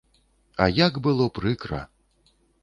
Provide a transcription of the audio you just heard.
А як было прыкра!